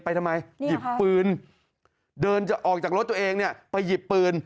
ไปทำไมหยิบปืนเดินออกจากรถตัวเองไปหยิบปืน